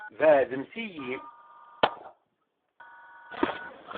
Beɛɛdemt-iyi.